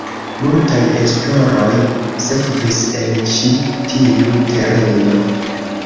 Multaj esploroj sekvis en ĉi tiu tereno.